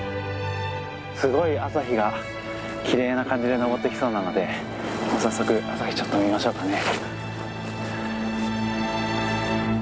すごい朝日がきれいな感じで昇ってきそうなので早速朝日ちょっと見ましょうかね。